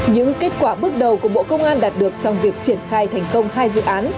những kết quả bước đầu của bộ công an đạt được trong việc triển khai thành công hai dự án